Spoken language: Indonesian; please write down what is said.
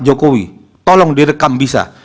jokowi tolong direkam bisa